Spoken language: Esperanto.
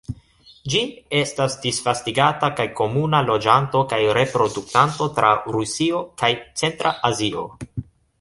Ĝi estas disvastigata kaj komuna loĝanto kaj reproduktanto tra Rusio kaj centra Azio.